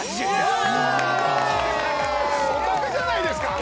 おおお買い得じゃないですか？